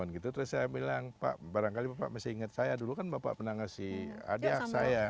terus saya bilang pak barangkali bapak masih ingat saya dulu kan bapak pernah ngasih adik saya